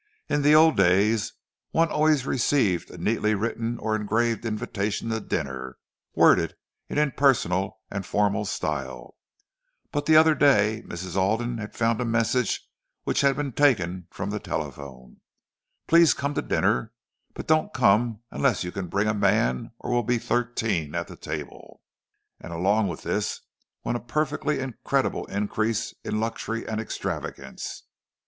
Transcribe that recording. In the old days one always received a neatly written or engraved invitation to dinner, worded in impersonal and formal style; but the other day Mrs. Alden had found a message which had been taken from the telephone: "Please come to dinner, but don't come unless you can bring a man, or we'll be thirteen at the table." And along with this went a perfectly incredible increase in luxury and extravagance.